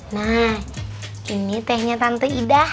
nah ini tehnya tante idah